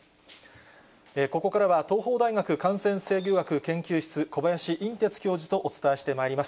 ここからは、東邦大学感染制御学研究室、小林寅てつ教授とお伝えしてまいります。